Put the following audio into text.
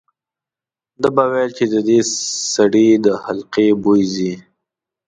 ده به ویل چې د دې سړي د خلقي بوی ځي.